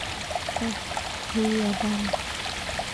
Oh, hey, Adam.